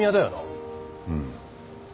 うん。